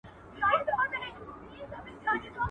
پښتو د بلي ژبي نه آسانه ده.